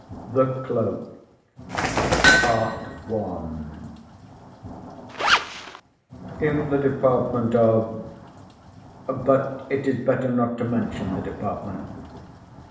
THE CLOAK In the department of but it is better not to mention the department.